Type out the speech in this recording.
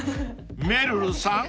［めるるさん